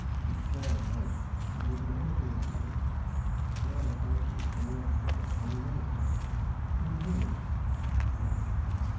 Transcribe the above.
"Darling Madge, I will do everything I can. Now I have found you, and we are together and will never part. Can you hear me?"